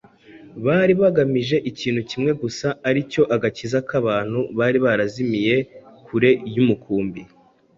Bari bagamije ikintu kimwe gusa ari cyo “agakiza k’abantu bari barazimiriye kure y’umukumbi.”